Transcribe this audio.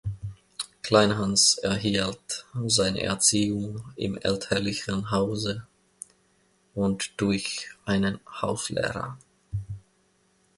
Kleinhans erhielt seine Erziehung im elterlichen Hause und durch einen Hauslehrer.